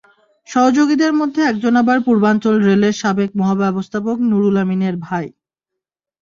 সহযোগীদের মধ্যে একজন আবার পূর্বাঞ্চল রেলের সাবেক মহাব্যবস্থাপক নুরুল আমিনের ভাই।